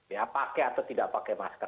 ya pakai atau tidak pakai masker